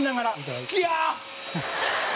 好きや！